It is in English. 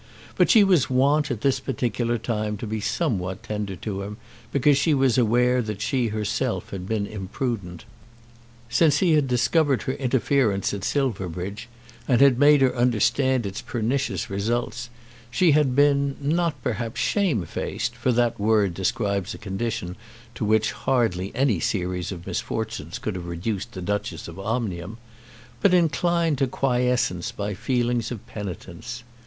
But she was wont at this particular time to be somewhat tender to him because she was aware that she herself had been imprudent. Since he had discovered her interference at Silverbridge, and had made her understand its pernicious results, she had been, not, perhaps, shamefaced, for that word describes a condition to which hardly any series of misfortunes could have reduced the Duchess of Omnium, but inclined to quiescence by feelings of penitence.